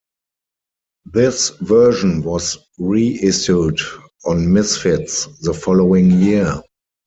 This version was reissued on "Misfits" the following year.